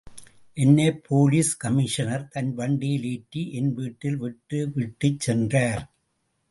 என்னைப் police commissioner தன் வண்டியில் ஏற்றி என் வீட்டில் விட்டுவிட்டுச் சென்றார்.